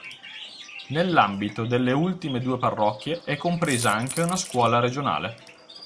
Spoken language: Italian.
Nell'ambito delle ultime due parrocchie è compresa anche una scuola regionale.